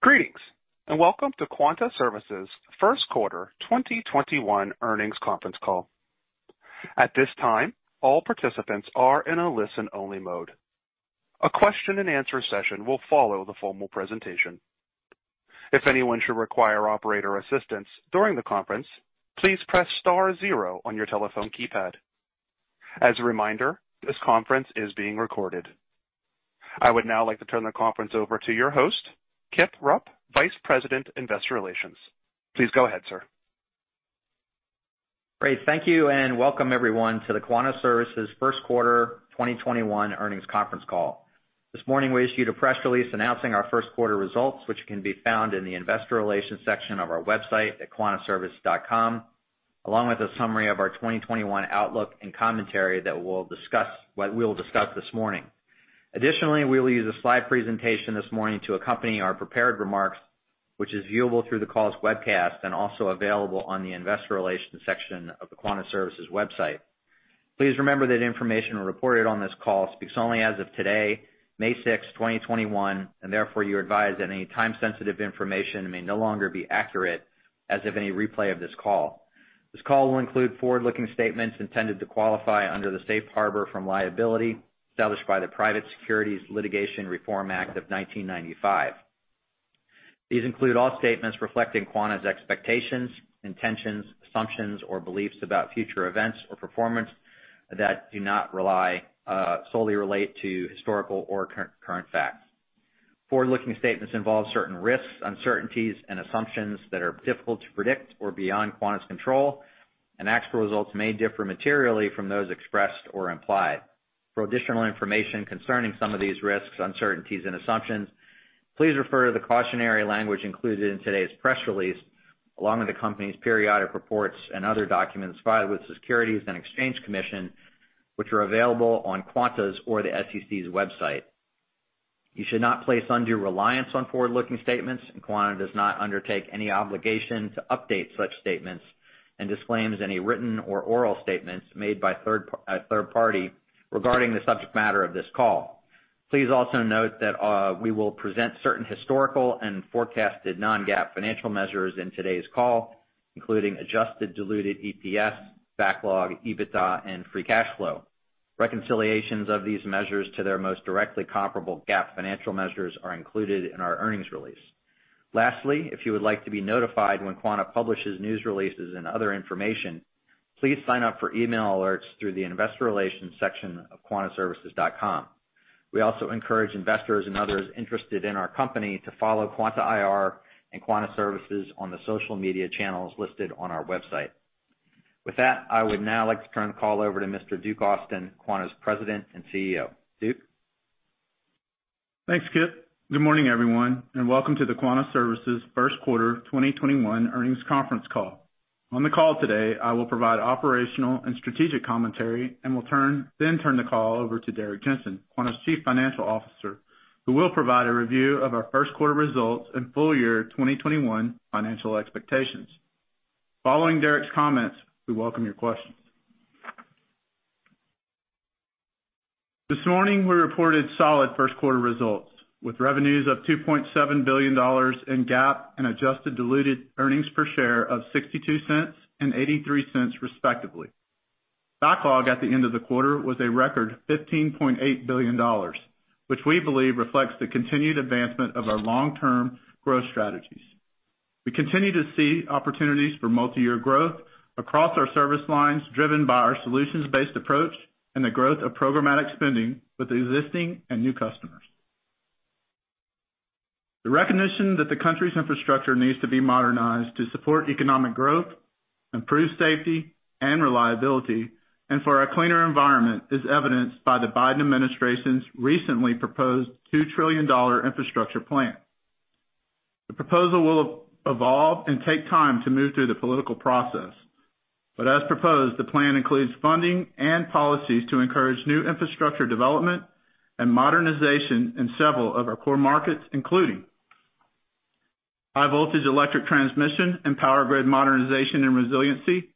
Greetings, welcome to Quanta Services' first quarter 2021 earnings conference call. At this time, all participants are in a listen-only mode. A question and answer session will follow the formal presentation. If anyone should require operator assistance during the conference, please press star zero on your telephone keypad. As a reminder, this conference is being recorded. I would now like to turn the conference over to your host, Kip Rupp, Vice President, Investor Relations. Please go ahead, sir. Great. Thank you, and welcome everyone to the Quanta Services first quarter 2021 earnings conference call. This morning we issued a press release announcing our first quarter results, which can be found in the investor relations section of our website at quantaservices.com, along with a summary of our 2021 outlook and commentary that we'll discuss this morning. Additionally, we'll use a slide presentation this morning to accompany our prepared remarks, which is viewable through the call's webcast and also available on the investor relations section of the Quanta Services website. Please remember that information reported on this call speaks only as of today, May 6, 2021, and therefore you're advised that any time-sensitive information may no longer be accurate as of any replay of this call. This call will include forward-looking statements intended to qualify under the safe harbor from liability established by the Private Securities Litigation Reform Act of 1995. These include all statements reflecting Quanta's expectations, intentions, assumptions, or beliefs about future events or performance that do not solely relate to historical or current facts. Forward-looking statements involve certain risks, uncertainties, and assumptions that are difficult to predict or beyond Quanta's control, and actual results may differ materially from those expressed or implied. For additional information concerning some of these risks, uncertainties, and assumptions, please refer to the cautionary language included in today's press release, along with the company's periodic reports and other documents filed with the Securities and Exchange Commission, which are available on Quanta's or the SEC's website. You should not place undue reliance on forward-looking statements, Quanta does not undertake any obligation to update such statements and disclaims any written or oral statements made by a third party regarding the subject matter of this call. Also note that we will present certain historical and forecasted non-GAAP financial measures in today's call, including adjusted diluted EPS, backlog, EBITDA and free cash flow. Reconciliations of these measures to their most directly comparable GAAP financial measures are included in our earnings release. Lastly, if you would like to be notified when Quanta publishes news releases and other information, please sign up for email alerts through the investor relations section of quantaservices.com. We also encourage investors and others interested in our company to follow Quanta IR and Quanta Services on the social media channels listed on our website. With that, I would now like to turn the call over to Mr. Duke Austin, Quanta's President and CEO. Duke? Thanks, Kip. Good morning, everyone, and welcome to the Quanta Services first quarter 2021 earnings conference call. On the call today, I will provide operational and strategic commentary and will then turn the call over to Derrick Jensen, Quanta's Chief Financial Officer, who will provide a review of our first quarter results and full year 2021 financial expectations. Following Derrick's comments, we welcome your questions. This morning, we reported solid first quarter results, with revenues of $2.7 billion in GAAP and adjusted diluted earnings per share of $0.62 and $0.83 respectively. Backlog at the end of the quarter was a record $15.8 billion, which we believe reflects the continued advancement of our long-term growth strategies. We continue to see opportunities for multi-year growth across our service lines, driven by our solutions-based approach and the growth of programmatic spending with existing and new customers. The recognition that the country's infrastructure needs to be modernized to support economic growth, improve safety and reliability, and for a cleaner environment is evidenced by the Biden administration's recently proposed $2 trillion infrastructure plan. The proposal will evolve and take time to move through the political process. As proposed, the plan includes funding and policies to encourage new infrastructure development and modernization in several of our core markets, including high-voltage electric transmission and power grid modernization and resiliency,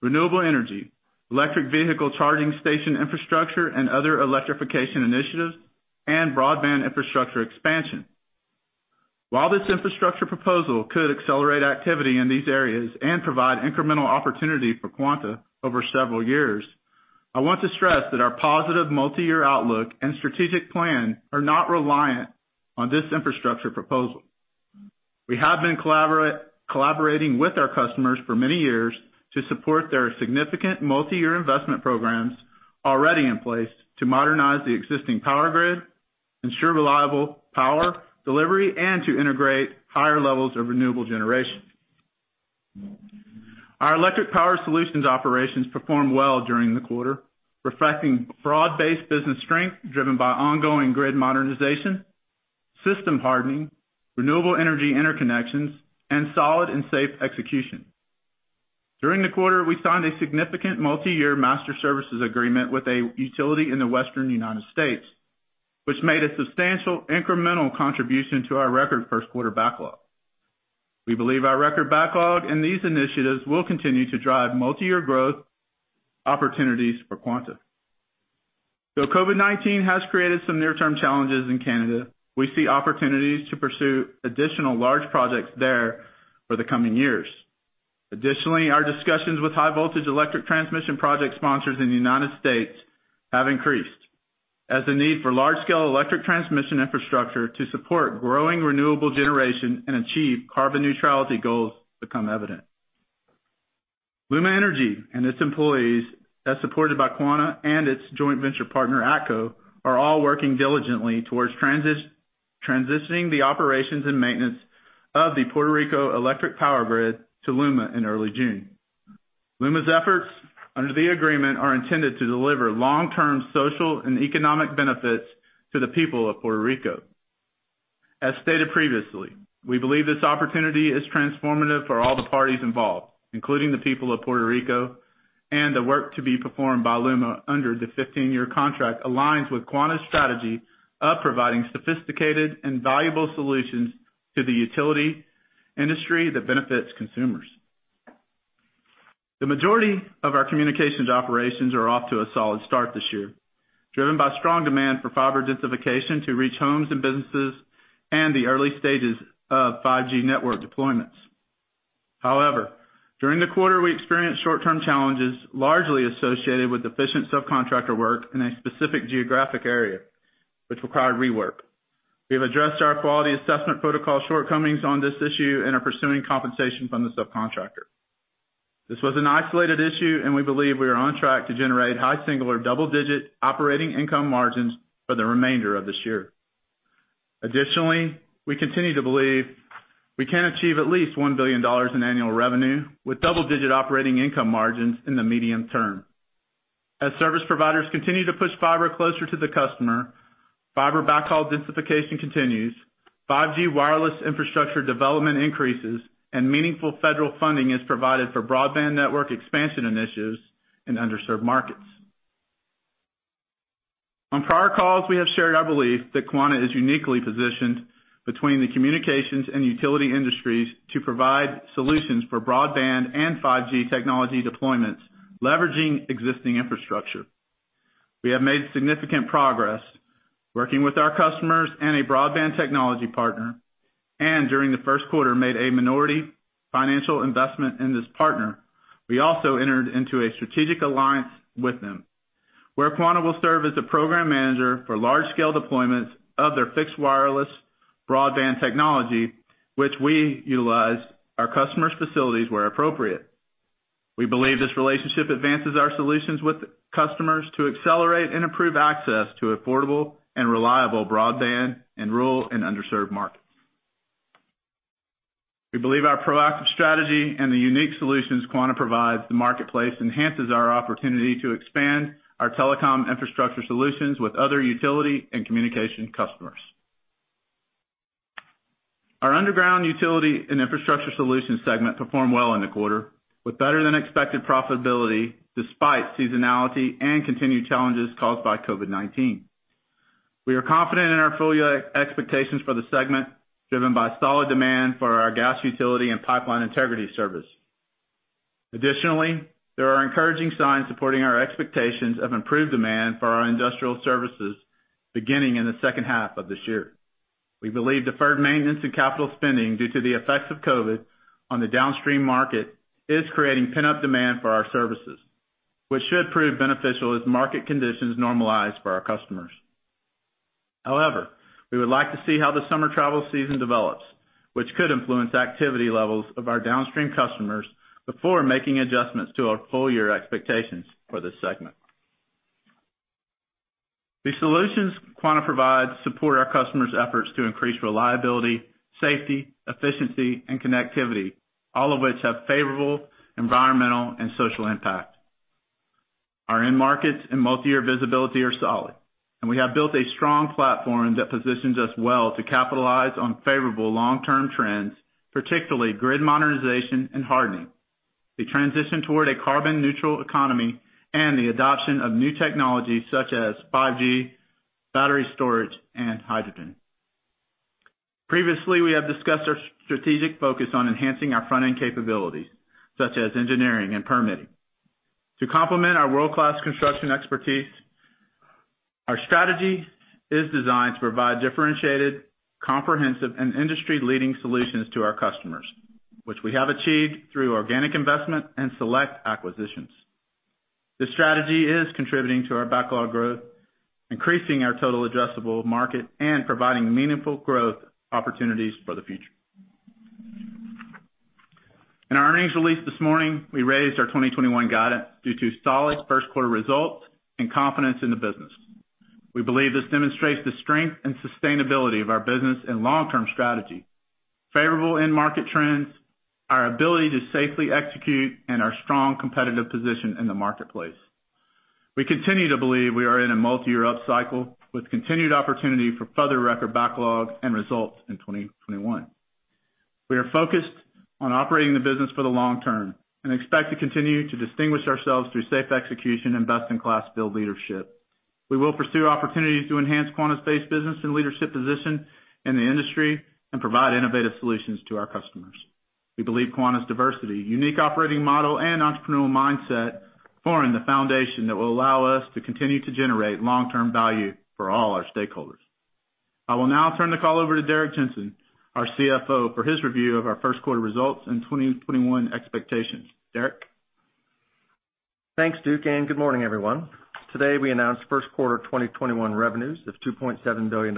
renewable energy, electric vehicle charging station infrastructure and other electrification initiatives, and broadband infrastructure expansion. While this infrastructure proposal could accelerate activity in these areas and provide incremental opportunity for Quanta over several years, I want to stress that our positive multi-year outlook and strategic plan are not reliant on this infrastructure proposal. We have been collaborating with our customers for many years to support their significant multi-year investment programs already in place to modernize the existing power grid, ensure reliable power delivery, and to integrate higher levels of renewable generation. Our electric power solutions operations performed well during the quarter, reflecting broad-based business strength driven by ongoing grid modernization, system hardening, renewable energy interconnections, and solid and safe execution. During the quarter, we signed a significant multi-year master services agreement with a utility in the western U.S., which made a substantial incremental contribution to our record first quarter backlog. We believe our record backlog and these initiatives will continue to drive multi-year growth opportunities for Quanta. Though COVID-19 has created some near-term challenges in Canada, we see opportunities to pursue additional large projects there for the coming years. Additionally, our discussions with high voltage electric transmission project sponsors in the United States have increased as the need for large scale electric transmission infrastructure to support growing renewable generation and achieve carbon neutrality goals become evident. LUMA Energy and its employees, as supported by Quanta and its joint venture partner, ATCO, are all working diligently towards transitioning the operations and maintenance of the Puerto Rico electric power grid to LUMA in early June. LUMA's efforts under the agreement are intended to deliver long-term social and economic benefits to the people of Puerto Rico. As stated previously, we believe this opportunity is transformative for all the parties involved, including the people of Puerto Rico, and the work to be performed by LUMA under the 15-year contract aligns with Quanta's strategy of providing sophisticated and valuable solutions to the utility industry that benefits consumers. The majority of our communications operations are off to a solid start this year, driven by strong demand for fiber densification to reach homes and businesses, and the early stages of 5G network deployments. During the quarter, we experienced short-term challenges, largely associated with efficient subcontractor work in a specific geographic area, which required rework. We have addressed our quality assessment protocol shortcomings on this issue and are pursuing compensation from the subcontractor. This was an isolated issue. We believe we are on track to generate high single or double-digit operating income margins for the remainder of this year. We continue to believe we can achieve at least $1 billion in annual revenue with double-digit operating income margins in the medium term. As service providers continue to push fiber closer to the customer, fiber backhaul densification continues, 5G wireless infrastructure development increases, and meaningful federal funding is provided for broadband network expansion initiatives in underserved markets. On prior calls, we have shared our belief that Quanta is uniquely positioned between the communications and utility industries to provide solutions for broadband and 5G technology deployments, leveraging existing infrastructure. We have made significant progress working with our customers and a broadband technology partner, and during the first quarter, made a minority financial investment in this partner. We also entered into a strategic alliance with them, where Quanta will serve as the program manager for large scale deployments of their fixed wireless broadband technology, which we utilize our customers' facilities where appropriate. We believe this relationship advances our solutions with customers to accelerate and improve access to affordable and reliable broadband in rural and underserved markets. We believe our proactive strategy and the unique solutions Quanta provides the marketplace enhances our opportunity to expand our telecom infrastructure solutions with other utility and communication customers. Our underground utility and infrastructure solutions segment performed well in the quarter, with better than expected profitability despite seasonality and continued challenges caused by COVID-19. We are confident in our full year expectations for the segment, driven by solid demand for our gas utility and pipeline integrity service. Additionally, there are encouraging signs supporting our expectations of improved demand for our industrial services beginning in the second half of this year. We believe deferred maintenance and capital spending due to the effects of COVID-19 on the downstream market is creating pent-up demand for our services, which should prove beneficial as market conditions normalize for our customers. However, we would like to see how the summer travel season develops, which could influence activity levels of our downstream customers before making adjustments to our full year expectations for this segment. The solutions Quanta provides support our customers' efforts to increase reliability, safety, efficiency, and connectivity, all of which have favorable environmental and social impact. Our end markets and multi-year visibility are solid, and we have built a strong platform that positions us well to capitalize on favorable long-term trends, particularly grid modernization and hardening, the transition toward a carbon neutral economy, and the adoption of new technologies such as 5G, battery storage, and hydrogen. Previously, we have discussed our strategic focus on enhancing our front-end capabilities, such as engineering and permitting. To complement our world-class construction expertise, our strategy is designed to provide differentiated, comprehensive, and industry-leading solutions to our customers, which we have achieved through organic investment and select acquisitions. This strategy is contributing to our backlog growth, increasing our total addressable market, and providing meaningful growth opportunities for the future. In our earnings release this morning, we raised our 2021 guidance due to solid first quarter results and confidence in the business. We believe this demonstrates the strength and sustainability of our business and long-term strategy, favorable end market trends, our ability to safely execute, and our strong competitive position in the marketplace. We continue to believe we are in a multi-year upcycle with continued opportunity for further record backlog and results in 2021. We are focused on operating the business for the long term and expect to continue to distinguish ourselves through safe execution and best-in-class build leadership. We will pursue opportunities to enhance Quanta's base business and leadership position in the industry and provide innovative solutions to our customers. We believe Quanta's diversity, unique operating model, and entrepreneurial mindset form the foundation that will allow us to continue to generate long-term value for all our stakeholders. I will now turn the call over to Derrick Jensen, our CFO, for his review of our first quarter results and 2021 expectations. Derrick? Thanks, Duke. Good morning, everyone. Today, we announced first quarter 2021 revenues of $2.7 billion.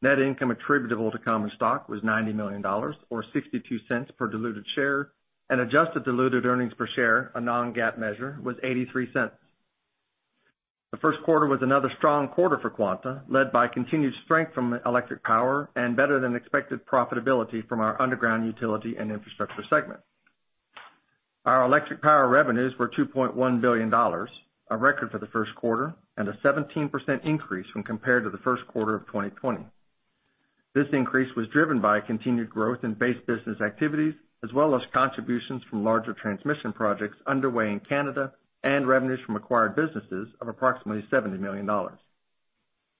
Net income attributable to common stock was $90 million, or $0.62 per diluted share, and adjusted diluted earnings per share, a non-GAAP measure, was $0.83. The first quarter was another strong quarter for Quanta, led by continued strength from electric power and better than expected profitability from our underground utility and infrastructure segment. Our electric power revenues were $2.1 billion, a record for the first quarter, and a 17% increase when compared to the first quarter of 2020. This increase was driven by continued growth in base business activities, as well as contributions from larger transmission projects underway in Canada and revenues from acquired businesses of approximately $70 million.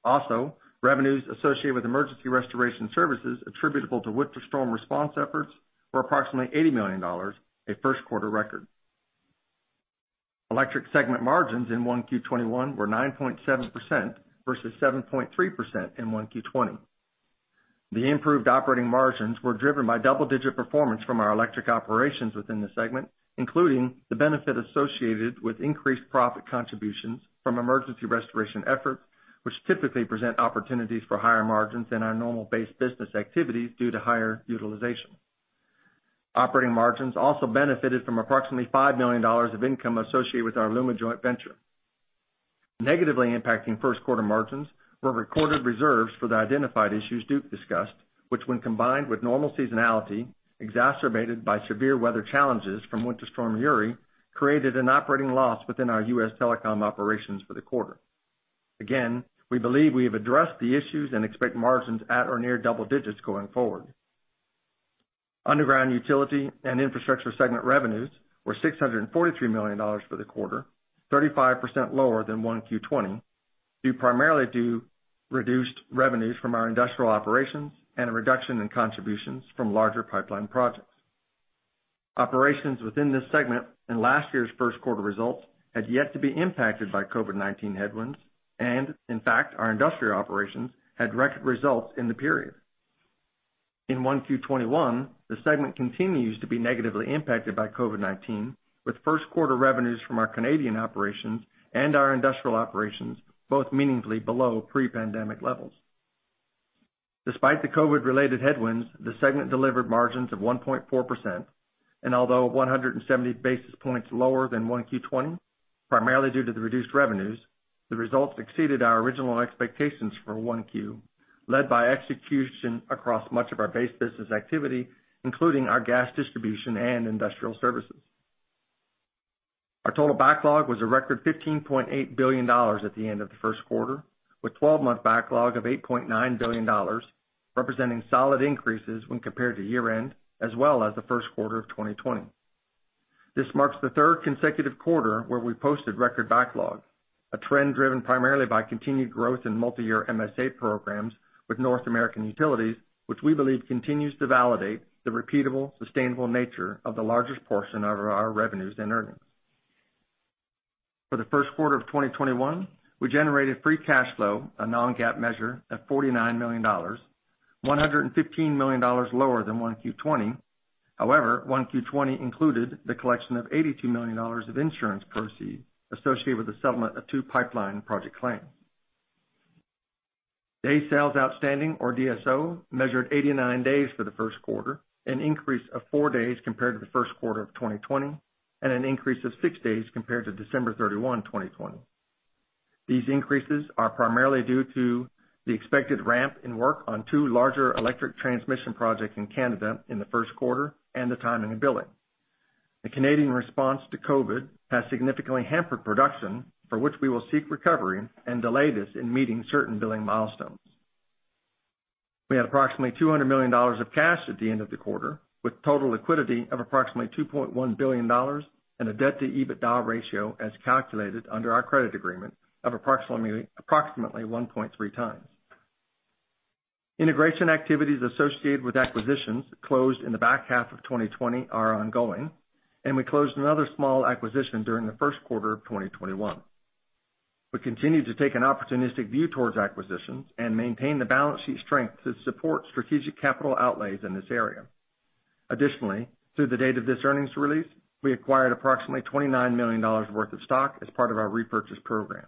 Also, revenues associated with emergency restoration services attributable to winter storm response efforts were approximately $80 million, a first-quarter record. Electric segment margins in 1Q21 were 9.7% versus 7.3% in 1Q20. The improved operating margins were driven by double-digit performance from our electric operations within the segment, including the benefit associated with increased profit contributions from emergency restoration efforts, which typically present opportunities for higher margins than our normal base business activities due to higher utilization. Operating margins also benefited from approximately $5 million of income associated with our LUMA joint venture. Negatively impacting first-quarter margins were recorded reserves for the identified issues Duke discussed, which when combined with normal seasonality, exacerbated by severe weather challenges from Winter Storm Uri, created an operating loss within our U.S. telecom operations for the quarter. Again, we believe we have addressed the issues and expect margins at or near double digits going forward. Underground utility and infrastructure segment revenues were $643 million for the quarter, 35% lower than 1Q20, due primarily to reduced revenues from our industrial operations and a reduction in contributions from larger pipeline projects. Operations within this segment in last year's first quarter results had yet to be impacted by COVID-19 headwinds. In fact, our industrial operations had record results in the period. In 1Q21, the segment continues to be negatively impacted by COVID-19, with first quarter revenues from our Canadian operations and our industrial operations both meaningfully below pre-pandemic levels. Despite the COVID-related headwinds, the segment delivered margins of 1.4%. Although 170 basis points lower than 1Q20, primarily due to the reduced revenues, the results exceeded our original expectations for 1Q, led by execution across much of our base business activity, including our gas distribution and industrial services. Our total backlog was a record $15.8 billion at the end of the first quarter, with 12-month backlog of $8.9 billion, representing solid increases when compared to year-end, as well as the first quarter of 2020. This marks the third consecutive quarter where we posted record backlog, a trend driven primarily by continued growth in multi-year MSA programs with North American Utilities, which we believe continues to validate the repeatable, sustainable nature of the largest portion of our revenues and earnings. For the first quarter of 2021, we generated free cash flow, a non-GAAP measure, of $49 million, $115 million lower than 1Q20. However, 1Q20 included the collection of $82 million of insurance proceeds associated with the settlement of two pipeline project claims. Day sales outstanding, or DSO, measured 89 days for the first quarter, an increase of four days compared to the first quarter of 2020, and an increase of six days compared to December 31, 2020. These increases are primarily due to the expected ramp in work on two larger electric transmission projects in Canada in the first quarter and the timing of billing. The Canadian response to COVID has significantly hampered production, for which we will seek recovery and delay this in meeting certain billing milestones. We had approximately $200 million of cash at the end of the quarter, with total liquidity of approximately $2.1 billion and a debt-to-EBITDA ratio, as calculated under our credit agreement, of approximately 1.3x. Integration activities associated with acquisitions closed in the back half of 2020 are ongoing, and we closed another small acquisition during the first quarter of 2021. We continue to take an opportunistic view towards acquisitions and maintain the balance sheet strength to support strategic capital outlays in this area. Additionally, through the date of this earnings release, we acquired approximately $29 million worth of stock as part of our repurchase program.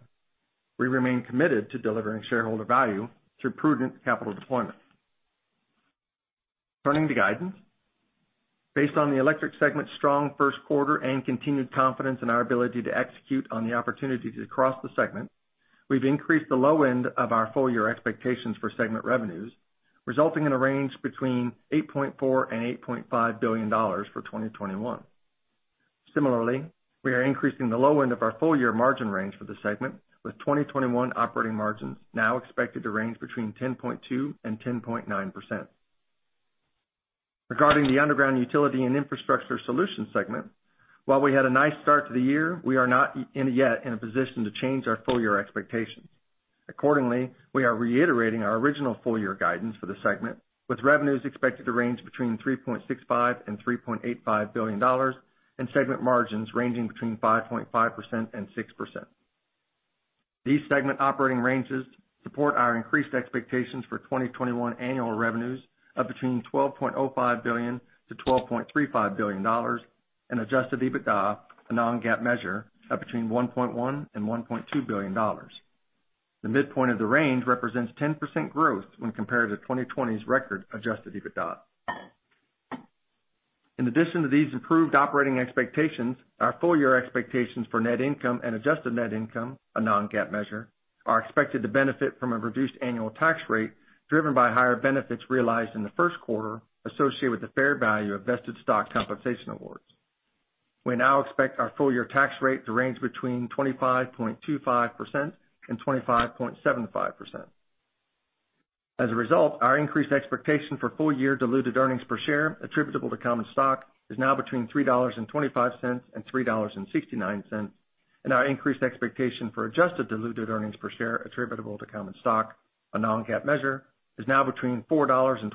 We remain committed to delivering shareholder value through prudent capital deployment. Turning to guidance. Based on the electric segment's strong first quarter and continued confidence in our ability to execute on the opportunities across the segment, we've increased the low end of our full-year expectations for segment revenues, resulting in a range between $8.4 billion and $8.5 billion for 2021. Similarly, we are increasing the low end of our full-year margin range for the segment, with 2021 operating margins now expected to range between 10.2% and 10.9%. Regarding the underground utility and infrastructure solution segment, while we had a nice start to the year, we are not yet in a position to change our full year expectations. Accordingly, we are reiterating our original full year guidance for the segment, with revenues expected to range between $3.65 billion and $3.85 billion, and segment margins ranging between 5.5% and 6%. These segment operating ranges support our increased expectations for 2021 annual revenues of between $12.05 billion-$12.35 billion and adjusted EBITDA, a non-GAAP measure, of between $1.1 billion and $1.2 billion. The midpoint of the range represents 10% growth when compared to 2020's record adjusted EBITDA. In addition to these improved operating expectations, our full year expectations for net income and adjusted net income, a non-GAAP measure, are expected to benefit from a reduced annual tax rate driven by higher benefits realized in the first quarter associated with the fair value of vested stock compensation awards. We now expect our full year tax rate to range between 25.25% and 25.75%. As a result, our increased expectation for full year diluted earnings per share attributable to common stock is now between $3.25 and $3.69, and our increased expectation for adjusted diluted earnings per share attributable to common stock, a non-GAAP measure, is now between $4.12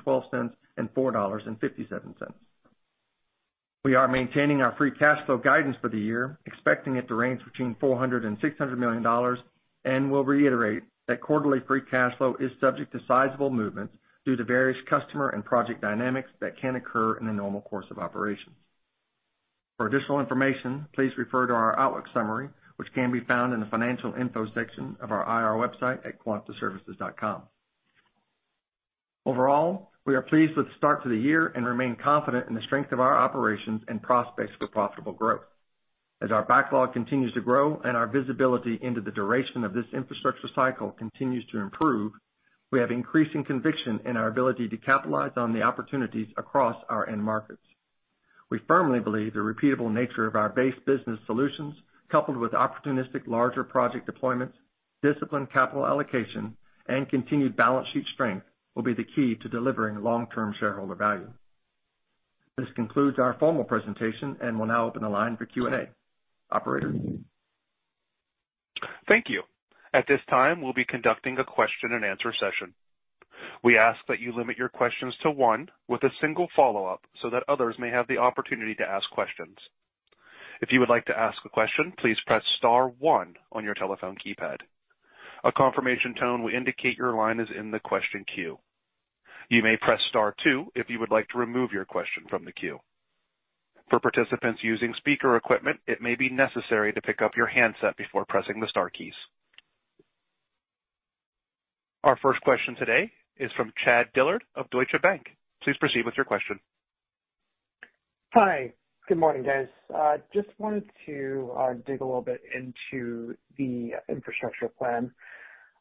and $4.57. We are maintaining our free cash flow guidance for the year, expecting it to range between $400 and $600 million, and we will reiterate that quarterly free cash flow is subject to sizable movements due to various customer and project dynamics that can occur in the normal course of operations. For additional information, please refer to our outlook summary, which can be found in the financial info section of our IR website at quantaservices.com. Overall, we are pleased with the start to the year and remain confident in the strength of our operations and prospects for profitable growth. As our backlog continues to grow and our visibility into the duration of this infrastructure cycle continues to improve, we have increasing conviction in our ability to capitalize on the opportunities across our end markets. We firmly believe the repeatable nature of our base business solutions, coupled with opportunistic larger project deployments, disciplined capital allocation, and continued balance sheet strength, will be the key to delivering long-term shareholder value. This concludes our formal presentation, and we'll now open the line for Q&A. Operator? Thank you. At this time, we'll be conducting a question and answer session. We ask that you limit your questions to one with a single follow-up so that others may have the opportunity to ask questions. If you would like to ask a question, please press star one on your telephone keypad. A confirmation tone will indicate your line is in the question queue. You may press star two if you would like to remove your question from the queue. For participants using speaker equipment, it may be necessary to pick up your handset before pressing the star keys. Our first question today is from Chad Dillard of Deutsche Bank. Please proceed with your question. Hi. Good morning, guys. Just wanted to dig a little bit into the infrastructure plan.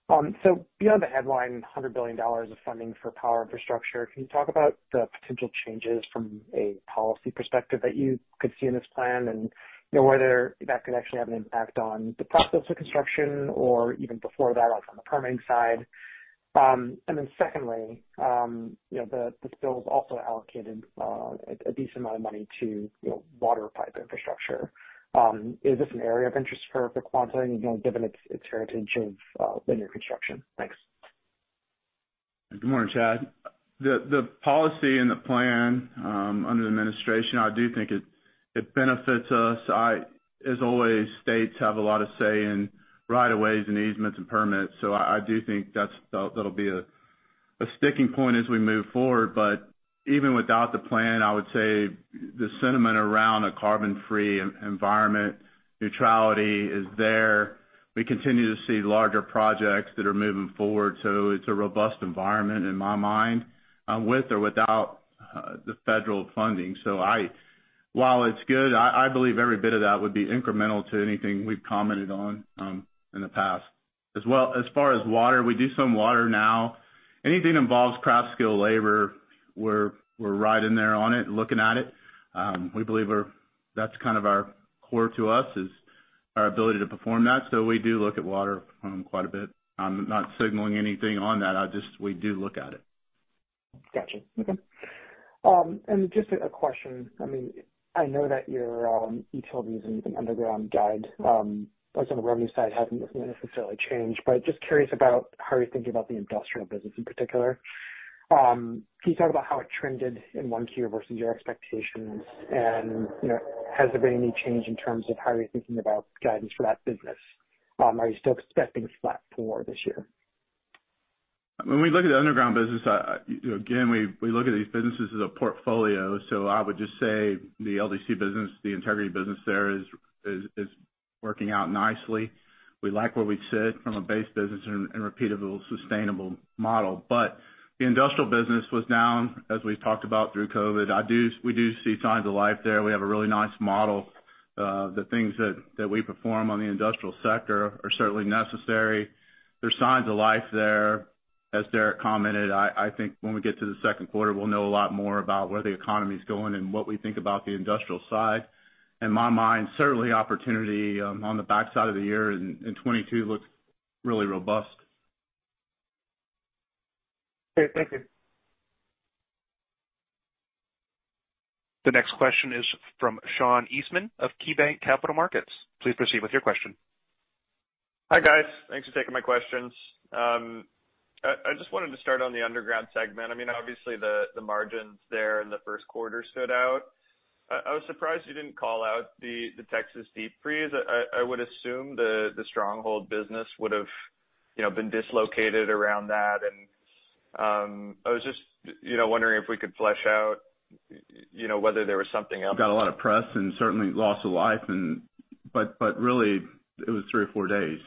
Beyond the headline, $100 billion of funding for power infrastructure, can you talk about the potential changes from a policy perspective that you could see in this plan and whether that could actually have an impact on the process of construction or even before that, on the permitting side? Secondly, this bill has also allocated a decent amount of money to water pipe infrastructure. Is this an area of interest for Quanta, given its heritage of linear construction? Thanks. Good morning, Chad. The policy and the plan under the administration, I do think it benefits us. As always, states have a lot of say in right of ways and easements and permits. I do think that'll be a sticking point as we move forward. Even without the plan, I would say the sentiment around a carbon-free environment neutrality is there. We continue to see larger projects that are moving forward. It's a robust environment in my mind, with or without the federal funding. While it's good, I believe every bit of that would be incremental to anything we've commented on in the past. As far as water, we do some water now. Anything involves craft skill labor, we're right in there on it, looking at it. We believe that's kind of our core to us is our ability to perform that. We do look at water quite a bit. I'm not signaling anything on that. Just we do look at it. Got you. Okay. Just a question. I know that your utilities and underground guide on the revenue side hasn't necessarily changed, but just curious about how you're thinking about the industrial business in particular. Can you talk about how it trended in 1Q versus your expectations? Has there been any change in terms of how you're thinking about guidance for that business? Are you still expecting flat for this year? When we look at the underground business, we look at these businesses as a portfolio. I would just say the LDC business, the integrity business there is working out nicely. We like where we sit from a base business and repeatable, sustainable model. The industrial business was down, as we've talked about through COVID-19. We do see signs of life there. We have a really nice model. The things that we perform on the industrial sector are certainly necessary. There's signs of life there. As Derrick commented, I think when we get to the second quarter, we'll know a lot more about where the economy is going and what we think about the industrial side. In my mind, certainly opportunity on the backside of the year in 2022 looks really robust. Great. Thank you. The next question is from Sean Eastman of KeyBanc Capital Markets. Please proceed with your question. Hi, guys. Thanks for taking my questions. I just wanted to start on the underground segment. Obviously, the margins there in the first quarter stood out. I was surprised you didn't call out the Winter Storm Uri. I would assume the Stronghold business would have been dislocated around that. I was just wondering if we could flesh out whether there was something else. Got a lot of press and certainly loss of life, but really, it was three or four days.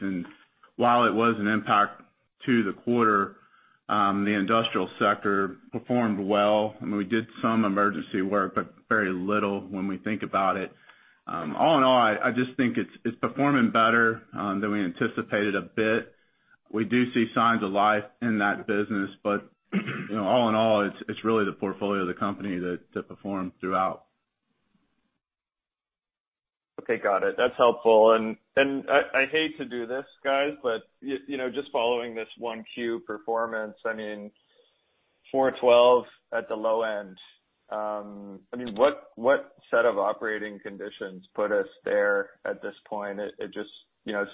While it was an impact to the quarter, the industrial sector performed well. We did some emergency work, but very little when we think about it. All in all, I just think it's performing better than we anticipated a bit. We do see signs of life in that business, but all in all, it's really the portfolio of the company that performed throughout. Okay, got it. That's helpful. I hate to do this, guys, just following this 1Q performance, I mean, $4.12 at the low end. What set of operating conditions put us there at this point? It just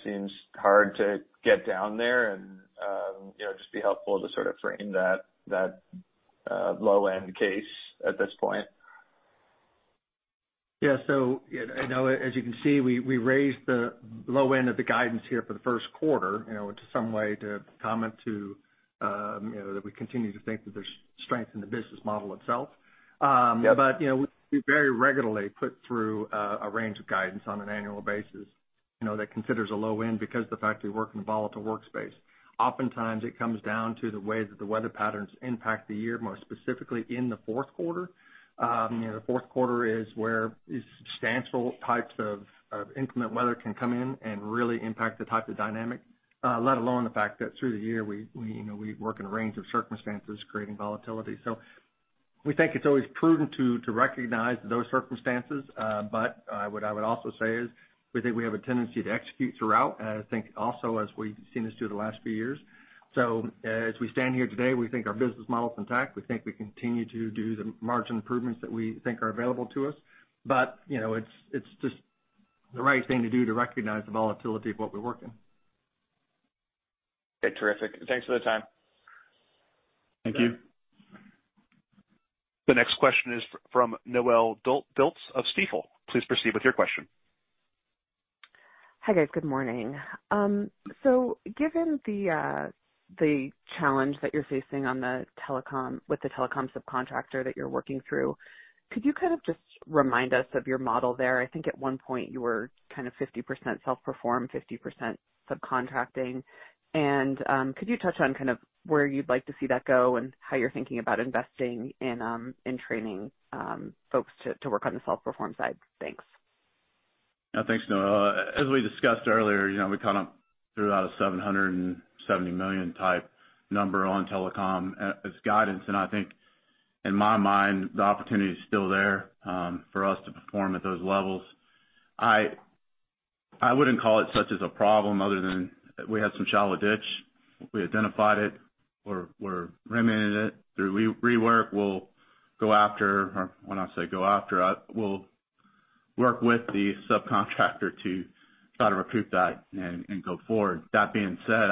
seems hard to get down there, just be helpful to sort of frame that low-end case at this point. Yeah. As you can see, we raised the low end of the guidance here for the first quarter to some way to comment to that we continue to think that there's strength in the business model itself. Yeah. We very regularly put through a range of guidance on an annual basis that considers a low end because of the fact we work in a volatile workspace. Oftentimes, it comes down to the way that the weather patterns impact the year, more specifically in the fourth quarter. The fourth quarter is where substantial types of inclement weather can come in and really impact the type of dynamic, let alone the fact that through the year, we work in a range of circumstances creating volatility. We think it's always prudent to recognize those circumstances. What I would also say is we think we have a tendency to execute throughout, I think also as we've seen us do the last few years. As we stand here today, we think our business model's intact. We think we continue to do the margin improvements that we think are available to us. It's just the right thing to do to recognize the volatility of what we work in. Okay. Terrific. Thanks for the time. Thank you. The next question is from Noelle Dilts of Stifel. Please proceed with your question. Hi, guys. Good morning. Given the challenge that you're facing with the telecom subcontractor that you're working through, could you kind of just remind us of your model there? I think at one point you were kind of 50% self-performed, 50% subcontracting. Could you touch on kind of where you'd like to see that go and how you're thinking about investing in training folks to work on the self-perform side? Thanks. Thanks, Noelle. As we discussed earlier, we kind of threw out a $770 million-type number on telecom as guidance, and I think in my mind, the opportunity is still there for us to perform at those levels. I wouldn't call it such as a problem other than we had some shallow ditch. We identified it. We're remediating it through rework. We'll go after, when I say go after, we'll work with the subcontractor to try to recoup that and go forward. That being said,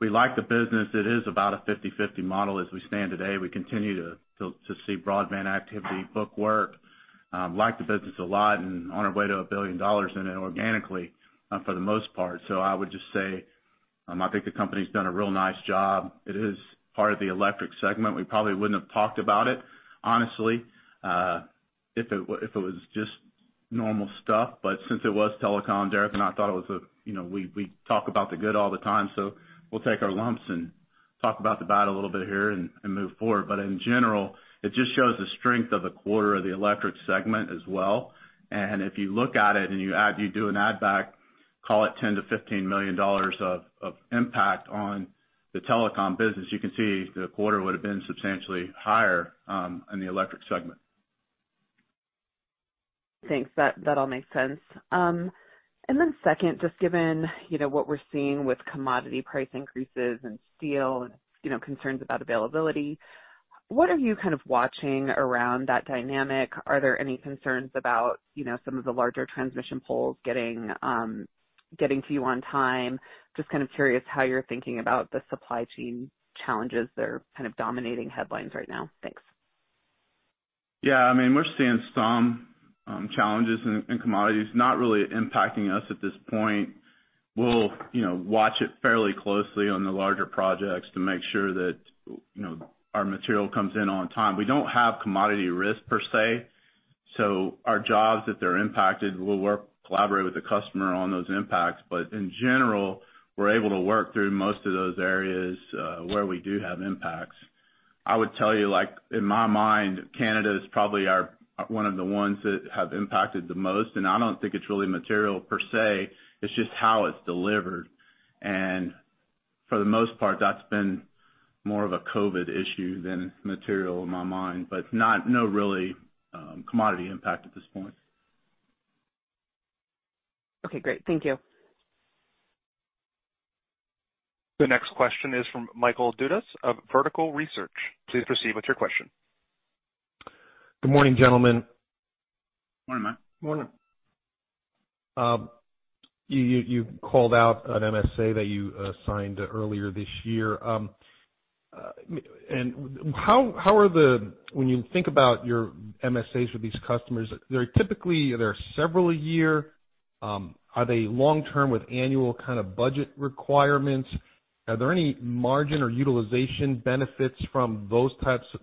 we like the business. It is about a 50/50 model as we stand today. We continue to see broadband activity, book work, like the business a lot and on our way to $1 billion in it organically for the most part. I would just say, I think the company's done a real nice job. It is part of the electric segment. We probably wouldn't have talked about it, honestly, if it was just normal stuff. Since it was telecom, Derrick and I thought. We talk about the good all the time, we'll take our lumps and talk about the bad a little bit here and move forward. In general, it just shows the strength of the quarter of the electric segment as well. If you look at it and you do an add back, call it $10 million-$15 million of impact on the telecom business, you can see the quarter would have been substantially higher in the electric segment. Thanks. That all makes sense. Second, just given what we're seeing with commodity price increases in steel and concerns about availability, what are you kind of watching around that dynamic? Are there any concerns about some of the larger transmission poles getting to you on time? Just kind of curious how you're thinking about the supply chain challenges that are kind of dominating headlines right now. Thanks. I mean, we're seeing some challenges in commodities, not really impacting us at this point. We'll watch it fairly closely on the larger projects to make sure that our material comes in on time. We don't have commodity risk per se, our jobs, if they're impacted, we'll work, collaborate with the customer on those impacts. In general, we're able to work through most of those areas where we do have impacts. I would tell you, in my mind, Canada is probably one of the ones that have impacted the most, I don't think it's really material per se. It's just how it's delivered. For the most part, that's been more of a COVID issue than material in my mind, no really commodity impact at this point. Okay, great. Thank you. The next question is from Michael Dudas of Vertical Research. Please proceed with your question. Good morning, gentlemen. Morning, Mike. Morning. You called out an MSA that you assigned earlier this year. When you think about your MSAs with these customers, typically there are several a year. Are they long-term with annual kind of budget requirements? Are there any margin or utilization benefits from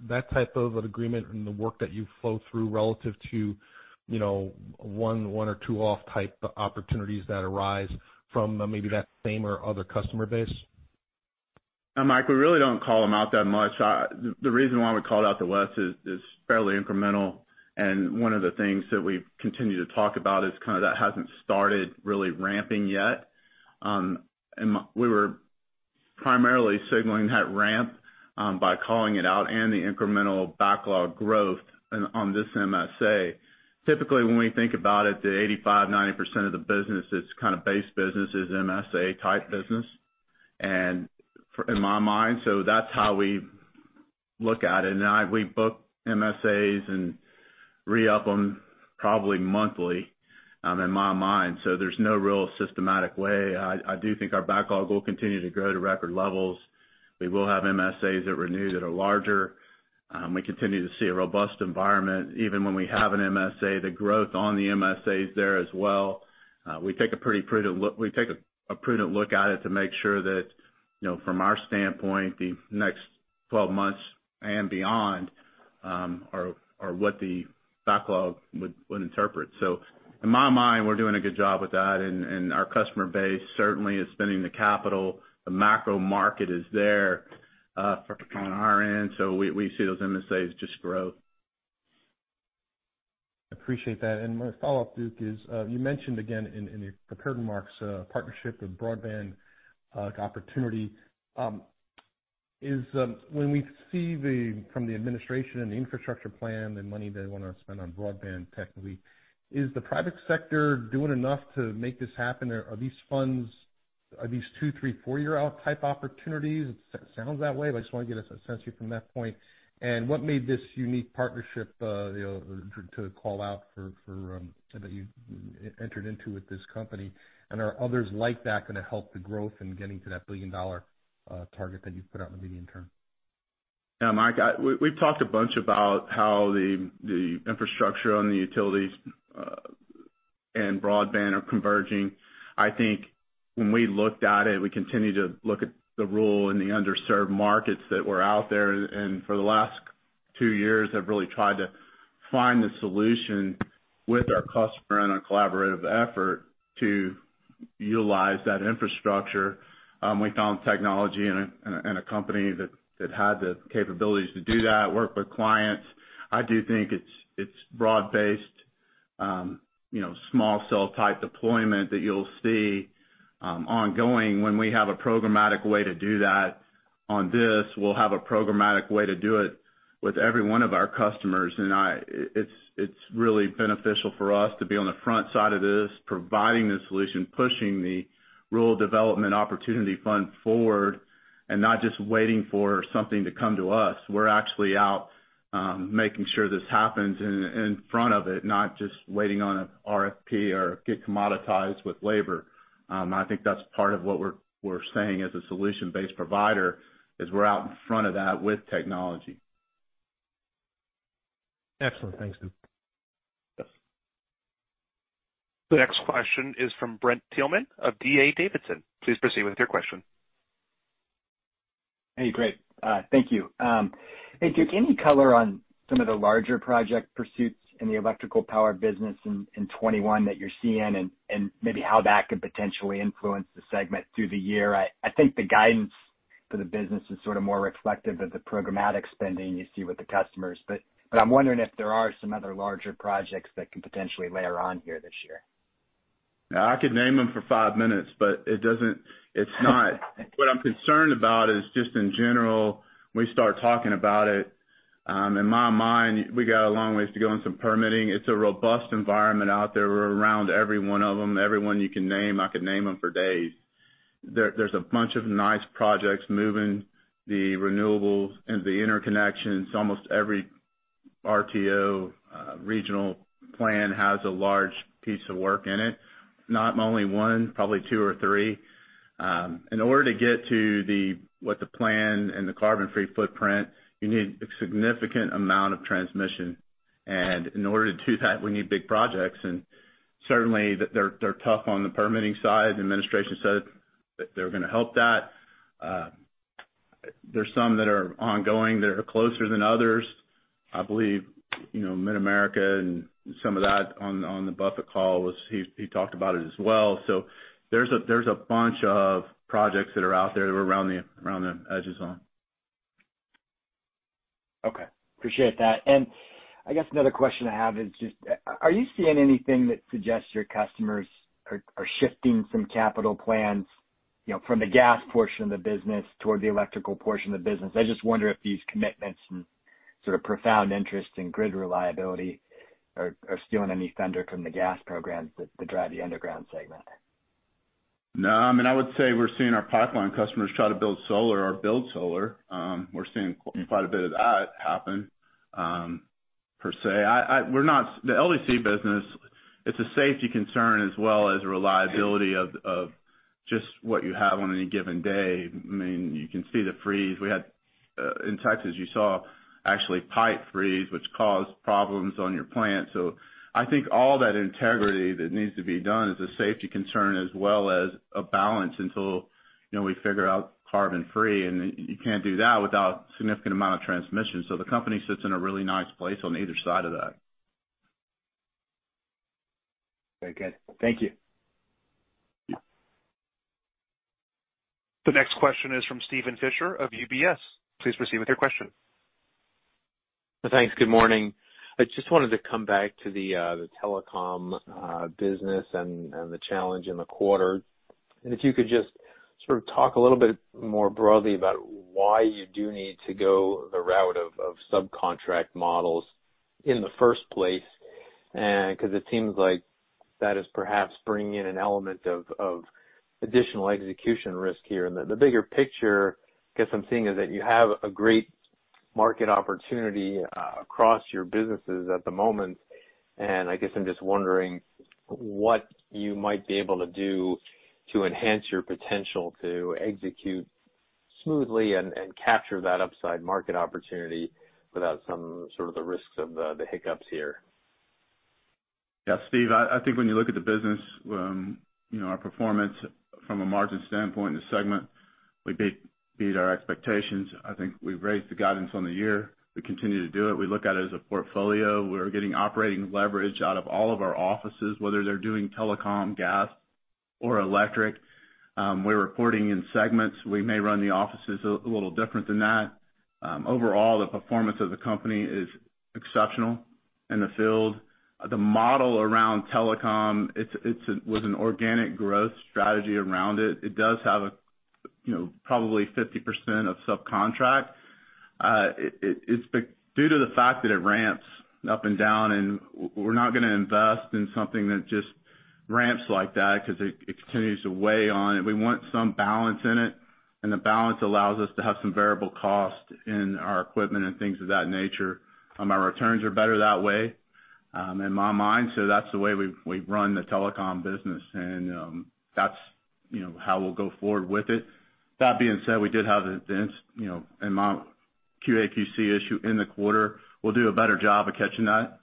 that type of an agreement and the work that you flow through relative to one or two-off type opportunities that arise from maybe that same or other customer base? Mike, we really don't call them out that much. The reason why we called out the last is fairly incremental, one of the things that we've continued to talk about is kind of that hasn't started really ramping yet. We were primarily signaling that ramp by calling it out and the incremental backlog growth on this MSA. Typically, when we think about it, the 85%-90% of the business is kind of base business is MSA-type business. In my mind, that's how we look at it. We book MSAs and re-up them probably monthly, in my mind. There's no real systematic way. I do think our backlog will continue to grow to record levels. We will have MSAs that renew that are larger. We continue to see a robust environment. Even when we have an MSA, the growth on the MSA is there as well. We take a pretty prudent look at it to make sure that from our standpoint, the next 12 months and beyond are what the backlog would interpret. In my mind, we're doing a good job with that, and our customer base certainly is spending the capital. The macro market is there on our end, we see those MSAs just grow. My follow-up, Duke, is you mentioned again in the certain remarks partnership with broadband opportunity. When we see from the administration and the Infrastructure Plan, the money they want to spend on broadband, is the private sector doing enough to make this happen? Are these two, three, four-year out type opportunities? It sounds that way, but I just want to get a sense here from that point. What made this unique partnership to call out that you entered into with this company, and are others like that going to help the growth in getting to that billion-dollar target that you've put out in the medium term? Mike, we've talked a bunch about how the infrastructure and the utilities and broadband are converging. I think when we looked at it, we continued to look at the role in the underserved markets that were out there, and for the last two years have really tried to find the solution with our customer in a collaborative effort to utilize that infrastructure. We found technology and a company that had the capabilities to do that, work with clients. I do think it's broad-based, small cell-type deployment that you'll see ongoing. When we have a programmatic way to do that on this, we'll have a programmatic way to do it with every one of our customers. It's really beneficial for us to be on the front side of this, providing the solution, pushing the Rural Digital Opportunity Fund forward, and not just waiting for something to come to us. We're actually out making sure this happens in front of it, not just waiting on an RFP or get commoditized with labor. I think that's part of what we're saying as a solution-based provider, is we're out in front of that with technology. Excellent. Thanks, Duke. Yes. The next question is from Brent Thielman of D.A. Davidson. Please proceed with your question. Hey, great. Thank you. Hey, Duke, any color on some of the larger project pursuits in the electric power business in 2021 that you're seeing and maybe how that could potentially influence the segment through the year? I think the guidance for the business is sort of more reflective of the programmatic spending you see with the customers, but I'm wondering if there are some other larger projects that can potentially layer on here this year. I could name them for five minutes. What I'm concerned about is just in general, we start talking about it. In my mind, we got a long ways to go on some permitting. It's a robust environment out there. We're around every one of them. Everyone you can name, I could name them for days. There's a bunch of nice projects moving the renewables and the interconnections. Almost every RTO regional plan has a large piece of work in it. Not only one, probably two or three. In order to get to what the plan and the carbon-free footprint, you need a significant amount of transmission. In order to do that, we need big projects. Certainly, they're tough on the permitting side. The administration said that they're going to help that. There's some that are ongoing that are closer than others. I believe MidAmerica and some of that on the Buffett call, he talked about it as well. There's a bunch of projects that are out there around the edges on. Okay. Appreciate that. I guess another question I have is just, are you seeing anything that suggests your customers are shifting from capital plans from the gas portion of the business toward the electrical portion of the business? I just wonder if these commitments and. Sort of profound interest in grid reliability are stealing any thunder from the gas programs that drive the underground segment? I would say we're seeing our pipeline customers try to build solar. We're seeing quite a bit of that happen, per se. The LDC business, it's a safety concern as well as reliability of just what you have on any given day. You can see the freeze. In Texas, you saw actually pipe freeze, which caused problems on your plant. I think all that integrity that needs to be done is a safety concern as well as a balance until we figure out carbon free, and you can't do that without significant amount of transmission. The company sits in a really nice place on either side of that. Very good. Thank you. Yeah. The next question is from Steven Fisher of UBS. Please proceed with your question. Thanks. Good morning. I just wanted to come back to the telecom business and the challenge in the quarter. If you could just sort of talk a little bit more broadly about why you do need to go the route of subcontract models in the first place, because it seems like that is perhaps bringing in an element of additional execution risk here. The bigger picture, I guess I'm seeing, is that you have a great market opportunity across your businesses at the moment, and I guess I'm just wondering what you might be able to do to enhance your potential to execute smoothly and capture that upside market opportunity without some of the risks of the hiccups here. Yeah, Steve, I think when you look at the business, our performance from a margin standpoint in the segment, we beat our expectations. I think we've raised the guidance on the year. We continue to do it. We look at it as a portfolio. We're getting operating leverage out of all of our offices, whether they're doing telecom, gas, or electric. We're reporting in segments. We may run the offices a little different than that. Overall, the performance of the company is exceptional in the field. The model around telecom, it was an organic growth strategy around it. It does have probably 50% of subcontract. It's due to the fact that it ramps up and down, and we're not going to invest in something that just ramps like that because it continues to weigh on it. We want some balance in it, and the balance allows us to have some variable cost in our equipment and things of that nature. Our returns are better that way in my mind, so that's the way we run the telecom business, and that's how we'll go forward with it. That being said, we did have an instance in my QA/QC issue in the quarter. We'll do a better job of catching that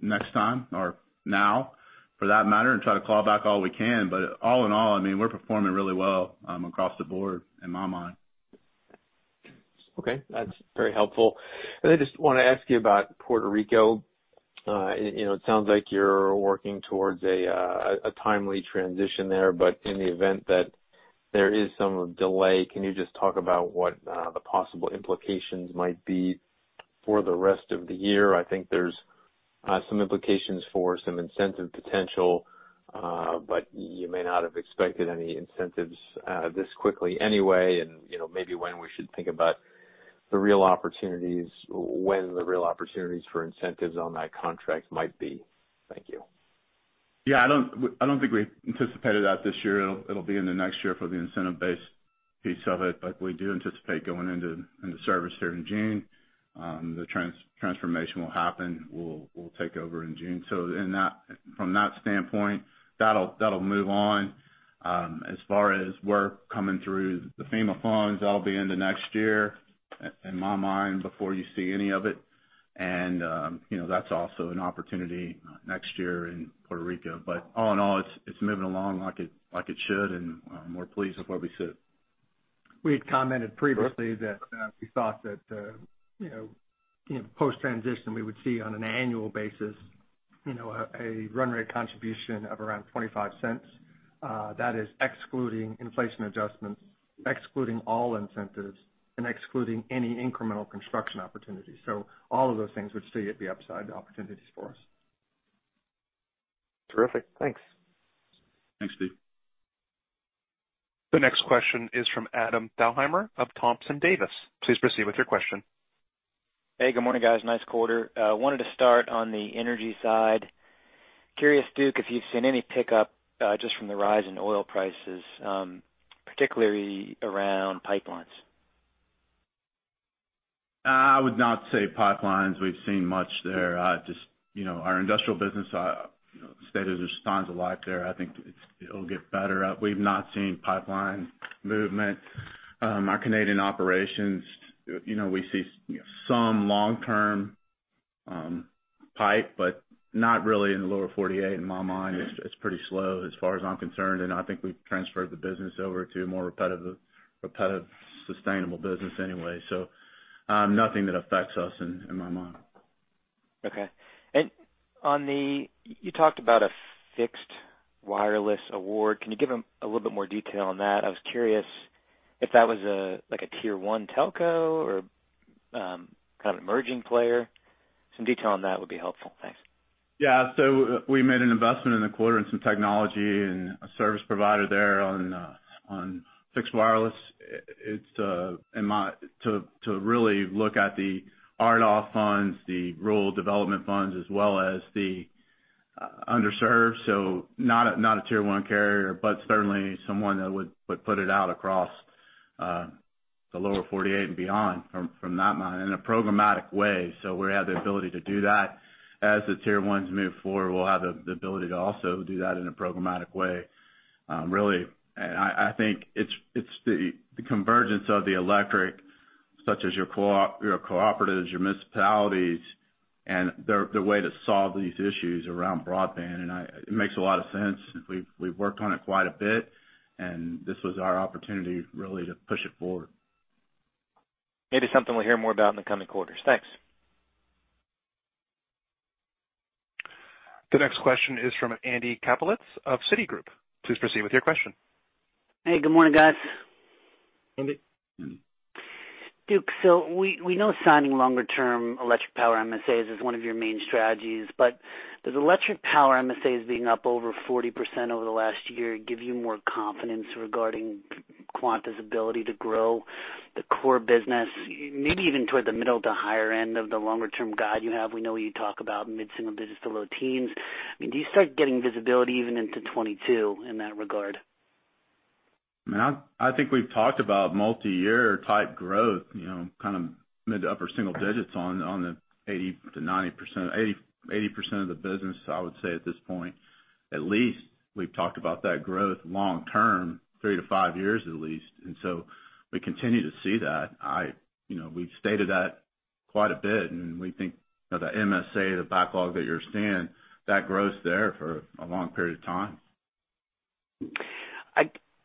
next time or now for that matter and try to claw back all we can. All in all, we're performing really well across the board in my mind. Okay, that's very helpful. I just want to ask you about Puerto Rico. It sounds like you're working towards a timely transition there, but in the event that there is some delay, can you just talk about what the possible implications might be for the rest of the year? I think there's some implications for some incentive potential, but you may not have expected any incentives this quickly anyway, and maybe when we should think about when the real opportunities for incentives on that contract might be. Thank you. Yeah, I don't think we anticipated that this year. It'll be in the next year for the incentive-based piece of it. We do anticipate going into service there in June. The transformation will happen. We'll take over in June. From that standpoint, that'll move on. As far as work coming through the FEMA funds, that'll be into next year, in my mind, before you see any of it. That's also an opportunity next year in Puerto Rico. All in all, it's moving along like it should, and we're pleased with where we sit. We had commented previously that we thought that post-transition, we would see on an annual basis a run rate contribution of around $0.25. That is excluding inflation adjustments, excluding all incentives, and excluding any incremental construction opportunities. All of those things would stay at the upside opportunities for us. Terrific. Thanks. Thanks, Steve. The next question is from Adam Thalhimer of Thompson Davis. Please proceed with your question. Hey, good morning, guys. Nice quarter. I wanted to start on the energy side. Curious, Duke, if you've seen any pickup just from the rise in oil prices, particularly around pipelines? I would not say pipelines we've seen much there. Just our industrial business status is signs of life there. I think it'll get better. We've not seen pipeline movement. Our Canadian operations, we see some long-term pipe, but not really in the lower 48 in my mind. It's pretty slow as far as I'm concerned, and I think we've transferred the business over to a more repetitive, sustainable business anyway. Nothing that affects us in my mind. Okay. You talked about a fixed wireless award. Can you give a little bit more detail on that? I was curious if that was like a tier 1 telco or kind of an emerging player? Some detail on that would be helpful. Thanks. Yeah. We made an investment in the quarter in some technology and a service provider there on fixed wireless. To really look at the RDOF funds, the rural development funds, as well as the underserved, so not a Tier 1 carrier, but certainly someone that would put it out across the lower 48 and beyond, from that model in a programmatic way. As the Tier 1s move forward, we'll have the ability to also do that in a programmatic way. Really, I think it's the convergence of the electric, such as your cooperatives, your municipalities, and the way to solve these issues around broadband. It makes a lot of sense. We've worked on it quite a bit, and this was our opportunity, really, to push it forward. Maybe something we'll hear more about in the coming quarters. Thanks. The next question is from Andrew Kaplowitz of Citigroup. Please proceed with your question. Hey, good morning, guys. Andy. Duke, we know signing longer term electric power MSAs is one of your main strategies, does electric power MSAs being up over 40% over the last year give you more confidence regarding Quanta's ability to grow the core business, maybe even toward the middle to higher end of the longer term guide you have? We know you talk about mid-single digits to low teens. Do you start getting visibility even into 2022 in that regard? I think we've talked about multi-year type growth, kind of mid to upper single digits on the 80% of the business, I would say at this point. At least we've talked about that growth long term, three to five years at least. We continue to see that. We've stated that quite a bit, and we think the MSA, the backlog that you're seeing, that grows there for a long period of time.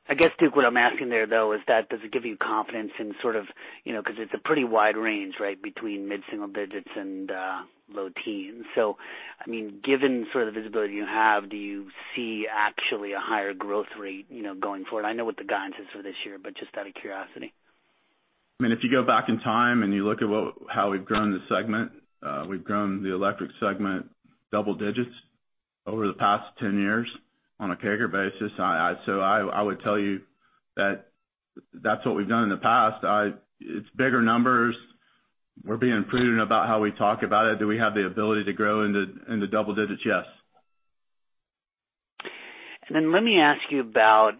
I guess, Duke, what I'm asking there, though, is that does it give you confidence in sort of because it's a pretty wide range, between mid-single digits and low teens? Given sort of visibility you have, do you see actually a higher growth rate going forward? I know what the guidance is for this year, but just out of curiosity. You go back in time and you look at how we've grown the segment, we've grown the electric segment double-digits over the past 10 years on a CAGR basis. I would tell you that that's what we've done in the past. It's bigger numbers. We're being prudent about how we talk about it. Do we have the ability to grow in the double-digits? Yes. Let me ask you about,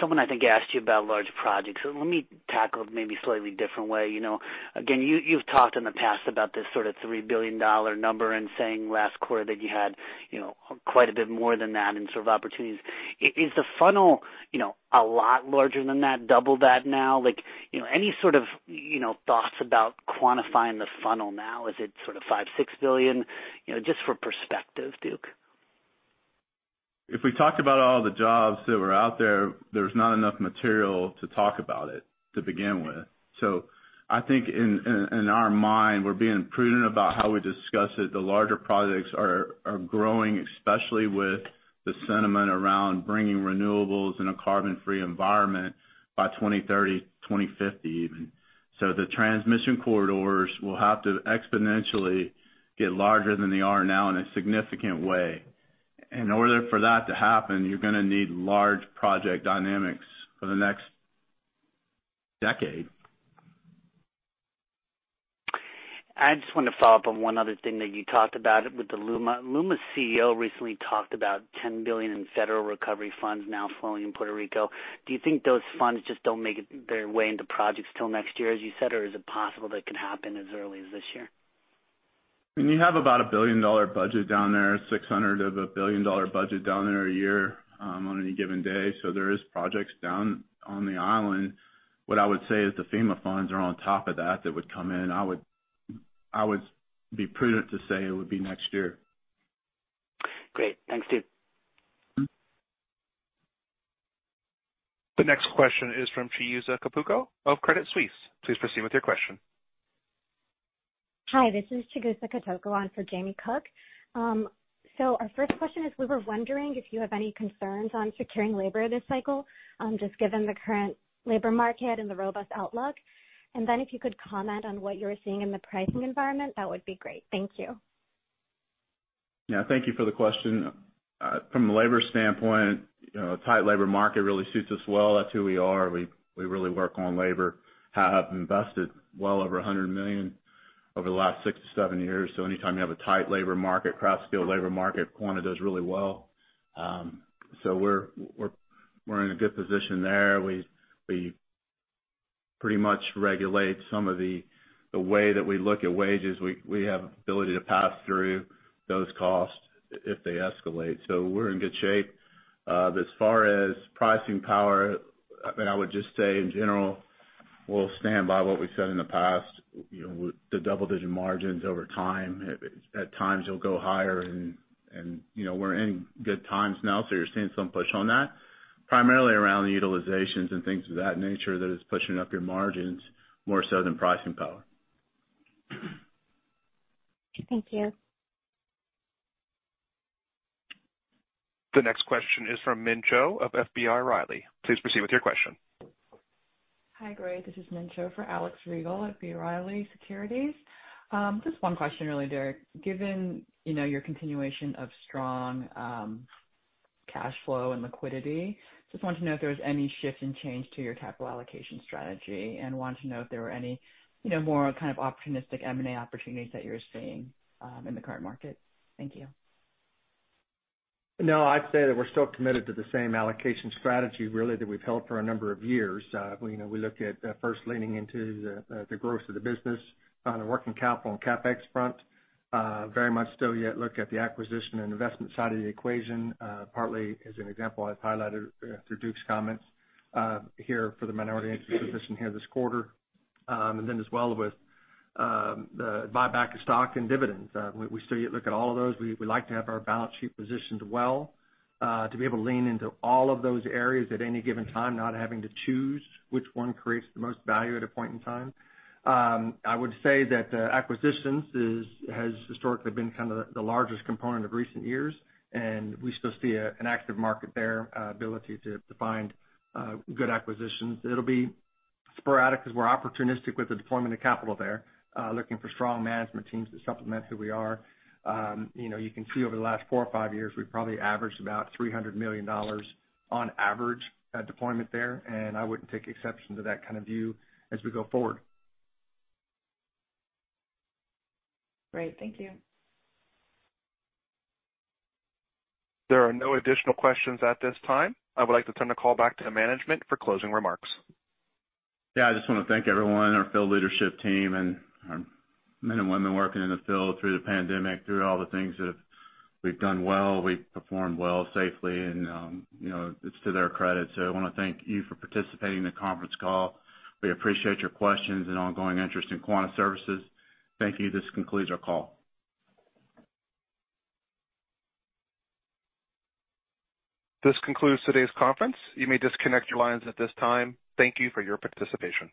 someone I think asked you about large projects. Let me tackle maybe slightly different way. You've talked in the past about this sort of $3 billion number and saying last quarter that you had quite a bit more than that in sort of opportunities. Is the funnel a lot larger than that, double that now? Any sort of thoughts about quantifying the funnel now? Is it sort of $5 billion, $6 billion? Just for perspective, Duke. If we talked about all the jobs that were out there's not enough material to talk about it to begin with. I think in our mind, we're being prudent about how we discuss it. The larger projects are growing, especially with the sentiment around bringing renewables in a carbon-free environment by 2030, 2050, even. The transmission corridors will have to exponentially get larger than they are now in a significant way. In order for that to happen, you're going to need large project dynamics for the next decade. I just wanted to follow up on one other thing that you talked about with the LUMA. LUMA's CEO recently talked about $10 billion in federal recovery funds now flowing in Puerto Rico. Do you think those funds just don't make their way into projects till next year, as you said? Or is it possible that it could happen as early as this year? You have about a billion-dollar budget down there, $600 of a billion-dollar budget down there a year on any given day. There is projects down on the island. What I would say is the FEMA funds are on top of that would come in. I would be prudent to say it would be next year. Great. Thanks, Duke. The next question is from Chigusa Katoku of Credit Suisse. Please proceed with your question. Hi, this is Chigusa Katoku. I'm for Jamie Cook. Our first question is, we were wondering if you have any concerns on securing labor this cycle, just given the current labor market and the robust outlook. If you could comment on what you're seeing in the pricing environment, that would be great. Thank you. Yeah, thank you for the question. From a labor standpoint, a tight labor market really suits us well. That's who we are. We really work on labor, have invested well over $100 million over the last six to seven years. Anytime you have a tight labor market, craft skill labor market, Quanta does really well. We're in a good position there. We pretty much regulate some of the way that we look at wages. We have ability to pass through those costs if they escalate. We're in good shape. As far as pricing power, I would just say in general, we'll stand by what we said in the past, the double-digit margins over time. At times you'll go higher and we're in good times now, so you're seeing some push on that, primarily around the utilizations and things of that nature that is pushing up your margins more so than pricing power. Thank you. The next question is from Min Cho of B. Riley Securities. Please proceed with your question. Hi, Derrick. This is Min Cho for Alex Rygiel at B. Riley Securities. Just one question really, Derrick. Given your continuation of strong cash flow and liquidity, just wanted to know if there was any shift in change to your capital allocation strategy, and wanted to know if there were any more opportunistic M&A opportunities that you're seeing in the current market. Thank you. No, I'd say that we're still committed to the same allocation strategy, really, that we've held for a number of years. We look at first leaning into the growth of the business on a working capital and CapEx front. Very much still yet look at the acquisition and investment side of the equation. Partly as an example, I've highlighted through Duke's comments here for the minority interest position here this quarter. Then as well with the buyback of stock and dividends. We still yet look at all of those. We like to have our balance sheet positioned well to be able to lean into all of those areas at any given time, not having to choose which one creates the most value at a point in time. I would say that acquisitions has historically been the largest component of recent years. We still see an active market there, ability to find good acquisitions. It'll be sporadic as we're opportunistic with the deployment of capital there, looking for strong management teams to supplement who we are. You can see over the last four or five years, we've probably averaged about $300 million on average deployment there. I wouldn't take exception to that kind of view as we go forward. Great. Thank you. There are no additional questions at this time. I would like to turn the call back to management for closing remarks. Yeah, I just want to thank everyone, our field leadership team and our men and women working in the field through the pandemic, through all the things that we've done well. We've performed well safely and it's to their credit. I want to thank you for participating in the conference call. We appreciate your questions and ongoing interest in Quanta Services. Thank you. This concludes our call. This concludes today's conference. You may disconnect your lines at this time. Thank you for your participation.